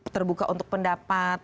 terbuka untuk pendapat